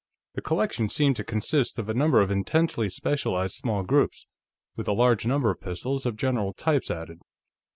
The collection seemed to consist of a number of intensely specialized small groups, with a large number of pistols of general types added.